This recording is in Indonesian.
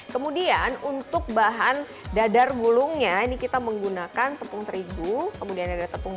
kemudian untuk bahan dadar gulungnya ini kita menggunakan tepung terigu kemudian ada tepung